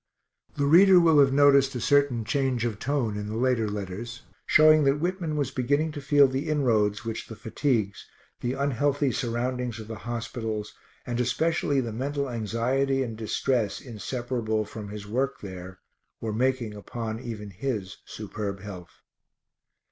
The reader will have noticed a certain change of tone in the later letters, showing that Whitman was beginning to feel the inroads which the fatigues, the unhealthy surroundings of the hospitals, and especially the mental anxiety and distress inseparable from his work there, were making upon even his superb health.